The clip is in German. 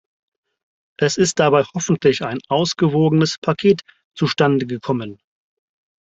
Es ist dabei hoffentlich ein ausgewogenes Paket zustande gekommen.